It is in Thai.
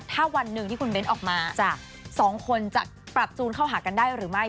ถ้าวันหนึ่งที่คุณเบ้นออกมา๒คนจะปรับจูนเข้าหากันได้หรือไม่